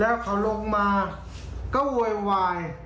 แล้วเขาลงมาก็โวยวาย